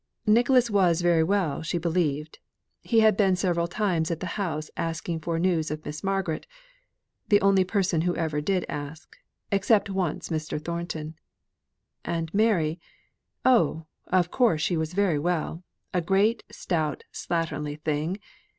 Nicholas was very well she believed. He had been several times at the house asking for news of Miss Margaret the only person who ever did ask, except once Mr. Thornton. And Mary? oh! of course she was very well, a great, stout, slatternly thing!